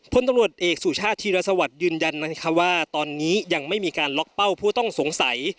ผ่อนตำรวจเอกสู่ชาติทศวรรคยืนยันว่าตอนนี้ยังไม่มีการล็อตเป้าผู้ต้องสงสัย